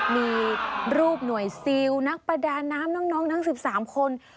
มีรูปหน่วยซิลนักประดาน้ำน้องทั้ง๑๓คน